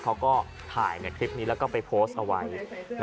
เขาก็ถ่ายในคลิปนี้แล้วก็ไปโพสต์เอาไว้